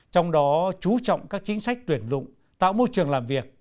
trong đó chú trọng các chính sách tuyển dụng tạo môi trường làm việc